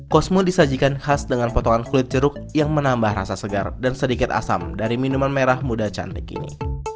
kosmo disajikan khas dengan potongan kulit jeruk yang menambah rasa segar dan sedikit asam dari minuman merah muda cantik ini